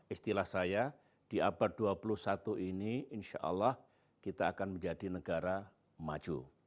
istilah saya di abad dua puluh satu ini insya allah kita akan menjadi negara maju